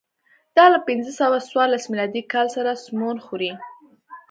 دا له پنځه سوه څوارلس میلادي کال سره سمون خوري.